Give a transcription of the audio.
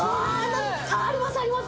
あります、あります。